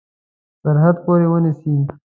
سرحد پوري ونیسي.